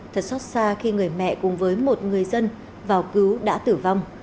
thật xót xa khi người mẹ cùng với một người dân vào cứu đã tử vong